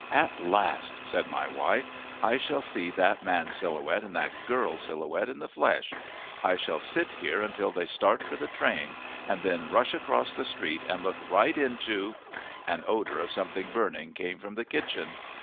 "At last," said my wife, "I shall see that Man Silhouette and that Girl Silhouette in the flesh. I shall sit here until they start for the train, and then rush across the street and look right into " An odor of something burning came from the kitchen.